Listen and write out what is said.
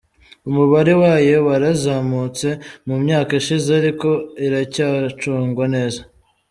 Umubare wayo warazamutse mu myaka ishize ariko iracyacungwa neza.